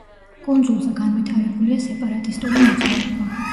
კუნძულზე განვითარებულია სეპარატისტული მოძრაობა.